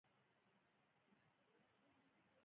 آیا د پښتنو په کلتور کې د ګاونډي حق تر څلوېښتو کورونو نه دی؟